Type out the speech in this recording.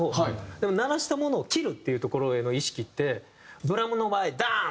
でも鳴らしたものを切るっていうところへの意識ってドラムの場合ダーン！